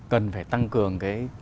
cần phải tăng cường